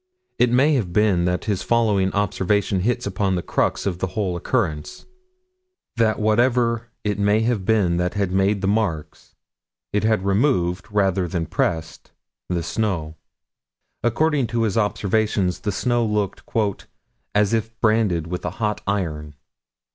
It may be that his following observation hits upon the crux of the whole occurrence: That whatever it may have been that had made the marks, it had removed, rather than pressed, the snow. According to his observations the snow looked "as if branded with a hot iron."